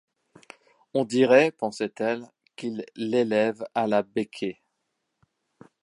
On dirait, pensait-elle, qu’il l’élève à la becquée...